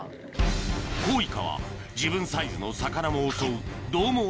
コウイカは自分サイズの魚も襲うどう猛